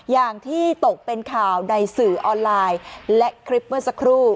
อย่างที่ตกเป็นข่าวในสื่อออนไลน์และคลิปเมื่อสักครู่